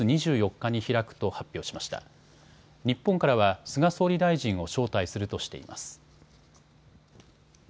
日本からは菅総理大臣を招待するとしています。